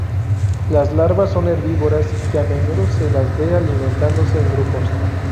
Las larvas son herbívoras y a menudo se las ve alimentándose en grupos.